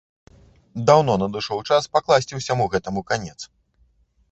Даўно надышоў час пакласці ўсяму гэтаму канец.